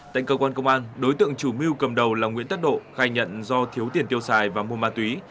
tại cơ quan công an đối tượng chủ mưu cầm đầu là nguyễn tất độ khai nhận do thiếu tiền tiêu xài và mua ma túy